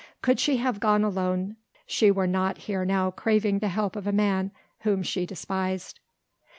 Could she have gone alone she were not here now craving the help of a man whom she despised.